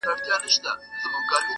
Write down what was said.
نوي یې راوړي تر اټکه پیغامونه دي!.